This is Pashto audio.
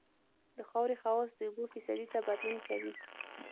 د خاورې خواص د اوبو فیصدي ته بدلون کوي